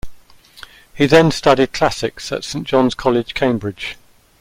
He then studied classics at Saint John's College, Cambridge.